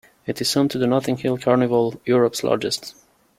It is home to the Notting Hill Carnival, Europe's largest.